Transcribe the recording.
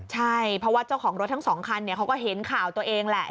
ใช่เพราะว่าเจ้าของรถทั้งสองคันเขาก็เห็นข่าวตัวเองแหละ